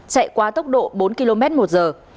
chạy qua tốc độ bốn km một giờ